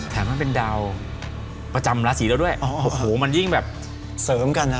มันเป็นดาวประจำราศีแล้วด้วยอ๋อโอ้โหมันยิ่งแบบเสริมกันอ่ะ